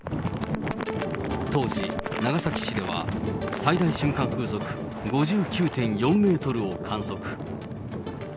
当時、長崎市では、最大瞬間風速５９．４メートルを観測。